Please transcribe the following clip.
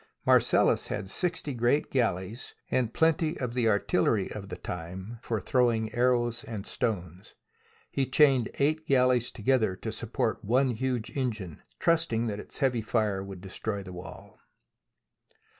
Marcellus had sixty great galleys, and plenty of the artillery of the time for throwing arrows and stones. He chained eight galleys together to support one huge engine, trusting that its heavy fire would destroy the wall.